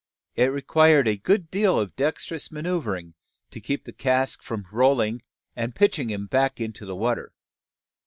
It required a good deal of dexterous manoeuvring to keep the cask from rolling, and pitching him back into the water.